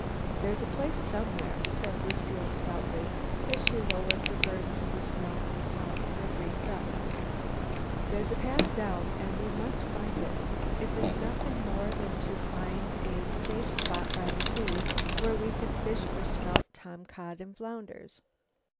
"There's a place somewhere," said Lucile stoutly, as she lowered her burden to the snow and paused for a brief rest. "There's a path down and we must find it, if it's nothing more than to find a safe spot by the sea where we can fish for smelt, tomcod and flounders."